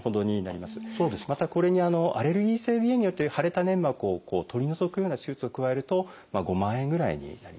またこれにアレルギー性鼻炎によって腫れた粘膜を取り除くような手術を加えると５万円ぐらいになりますね。